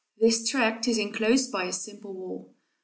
This tract is inclosed by a simple wall.